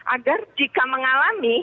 agar jika mengalami